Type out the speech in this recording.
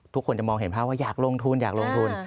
ทุกคนจะมองเห็นภาพว่าอยากลงทุนอยากลงทุน